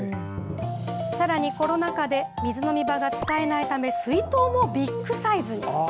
さらにコロナ禍で水飲み場が使えないため、水筒もビッグサイズ。